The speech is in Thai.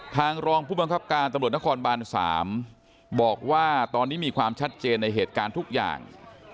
รองผู้บังคับการตำรวจนครบาน๓บอกว่าตอนนี้มีความชัดเจนในเหตุการณ์ทุกอย่าง